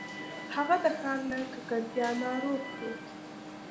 هغه د ښار له ککړتیا ناروغ شو.